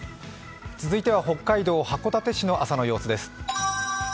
続いては北海道函館市の朝の様子です。